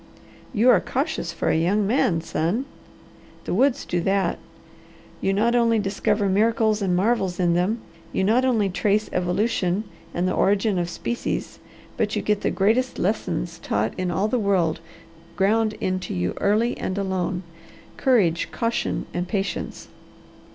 "You are cautious for a young man, son!" "The woods do that. You not only discover miracles and marvels in them, you not only trace evolution and the origin of species, but you get the greatest lessons taught in all the world ground into you early and alone courage, caution, and patience."